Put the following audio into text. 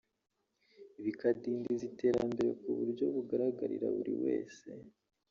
bikandidiza iterambere ku buryo bugaragarira buri wese